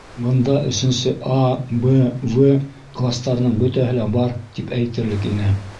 Бында өсөнсө «А», «Б», «В» кластарының бөтәһе лә бар тип әйтерлек ине.